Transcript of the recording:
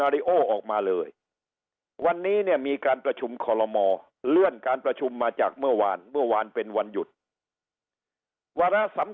นาเรอออกมาเลยวันนี้เนี่ยมีการประชุมคมมล